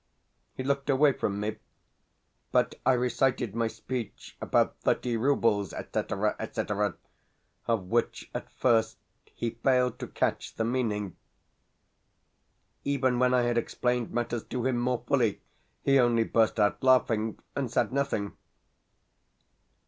He looked away from me, but I recited my speech about thirty roubles, et cetera, et cetera, of which, at first, he failed to catch the meaning. Even when I had explained matters to him more fully, he only burst out laughing, and said nothing.